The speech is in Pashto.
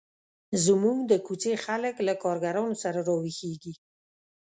زموږ د کوڅې خلک له کارګرانو سره را ویښیږي.